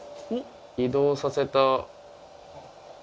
移動させた。